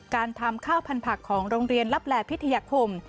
การทำข้าวพันธักของโรงเรียนลับแหล่พิทยาคม